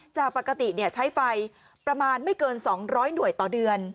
จากปกติใช้ไฟประมาณไม่เกิน๒๐๐หน่วยต่อเดือน